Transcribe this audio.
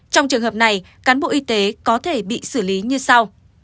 trong trường hợp này cán bộ y tế có thể bị xử lý như sau